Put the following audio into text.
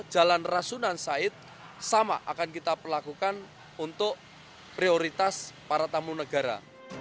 jalan rasunan said sama akan kita perlakukan untuk prioritas para tamu negara